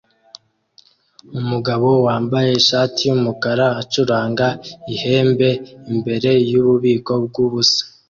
Umugabo wambaye ishati yumukara acuranga ihembe imbere yububiko bwubusa